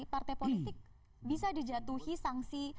partai politik bisa dijatuhi sanksi